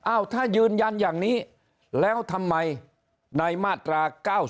ถ้ายืนยันอย่างนี้แล้วทำไมในมาตรา๙๔